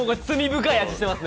罪深い味してますね。